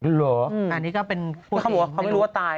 เหรออันนี้ก็เป็นเขาบอกว่าเขาไม่รู้ว่าตาย